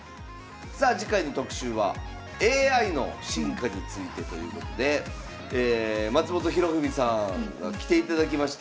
さあ次回の特集はＡＩの進化についてということで松本博文さんが来ていただきまして。